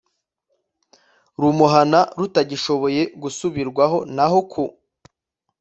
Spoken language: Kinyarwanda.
rumuhana rutagishoboye gusubirwaho naho ku